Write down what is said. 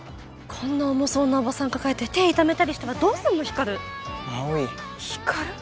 こんな重そうなおばさん抱えて手痛めたりしたらどうすんの光琉葵ひかる？